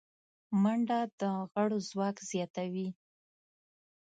منډه د غړو ځواک زیاتوي